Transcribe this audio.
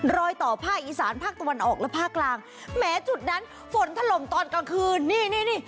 รอยต่อภาคอีสานภาคตะวันออกและภาคกลางแม้จุดนั้นฝนถล่มตอนกลางคืนนี่นี่